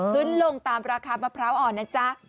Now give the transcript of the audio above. ขึ้นลงตามราคามะพร้าวอ่อนนะจ๊ะ